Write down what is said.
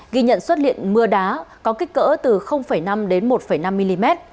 ghi nhận xuất hiện mưa đá có kích cỡ từ năm đến một năm mm